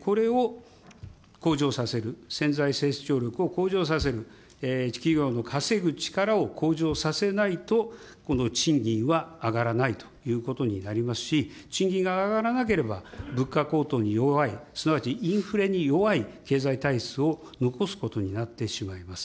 これを向上させる、潜在成長力を向上させる、企業の稼ぐ力を向上させないと、この賃金は上がらないということになりますし、賃金が上がらなければ、物価高騰に弱い、すなわちインフレに弱い経済体質を残すことになってしまいます。